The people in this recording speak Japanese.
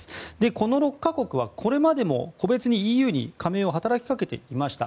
この６か国はこれまでも個別にＥＵに加盟を働き掛けていました。